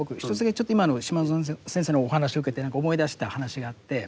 ちょっと今の島薗先生のお話を受けて何か思い出した話があって。